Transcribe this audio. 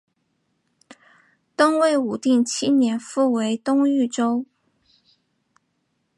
东魏武定七年复为东豫州。